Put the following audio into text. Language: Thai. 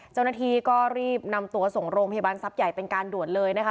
เจ้าหน้าที่ก็รีบนำตัวส่งโรงพยาบาลทรัพย์ใหญ่เป็นการด่วนเลยนะคะ